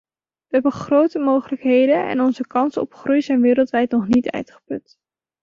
We hebben grote mogelijkheden en onze kansen op groei zijn wereldwijd nog niet uitgeput.